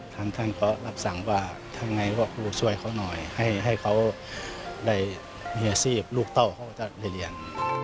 ท่านก็รับสั่งว่าถ้าไงว่าครูช่วยเขาหน่อยให้เขาได้เมียสีปลูกเต้าเขาจะไปเรียน